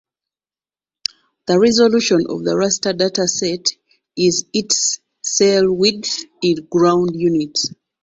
The resolution of the raster data set is its cell width in ground units.